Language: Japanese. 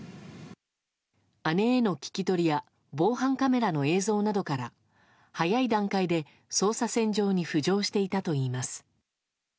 姉への聞き取りや防犯カメラの映像などから早い段階で捜査線上に浮上していたといいます。